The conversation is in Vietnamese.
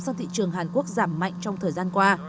sang thị trường hàn quốc giảm mạnh trong thời gian qua